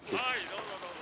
どうぞどうぞ。